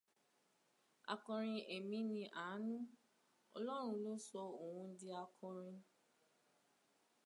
Akọrin ẹ̀mí ní àánú Ọlọ́run ló sọ òun di akọrin.